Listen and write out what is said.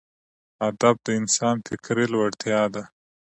ادب د انسان فکري لوړتیا ده.